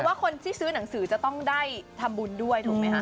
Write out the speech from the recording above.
ว่าคนที่ซื้อหนังสือจะต้องได้ทำบุญด้วยถูกไหมคะ